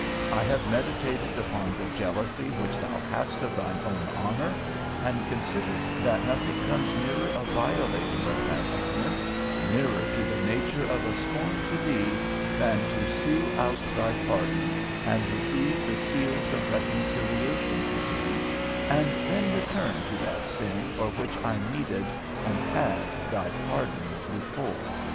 I have meditated upon the jealousy which thou hast of thine own honour, and considered that nothing comes nearer a violating of that honour, nearer to the nature of a scorn to thee, than to sue out thy pardon, and receive the seals of reconciliation to thee, and then return to that sin for which I needed and had thy pardon before.